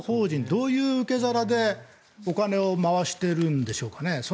どういう受け皿でお金を回しているんでしょうか？